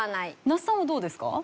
那須さんはどうですか？